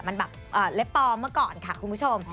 มันแบบเล็บปลอมเมื่อก่อนค่ะคุณผู้ชม